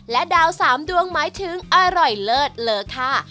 และดาว๓ดวงหมายถึงอร่อยเลิศเลอค่ะ